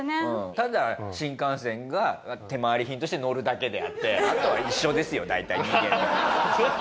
ただ新幹線が手回り品として乗るだけであってあとは一緒ですよ大体人間と。